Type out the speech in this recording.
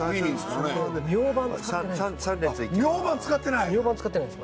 ミョウバン使ってないんです。